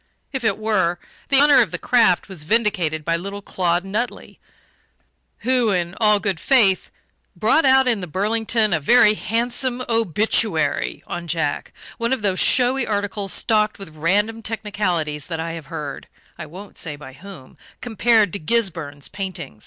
If it were, the honour of the craft was vindicated by little Claude Nutley, who, in all good faith, brought out in the Burlington a very handsome "obituary" on Jack one of those showy articles stocked with random technicalities that I have heard (I won't say by whom) compared to Gisburn's painting.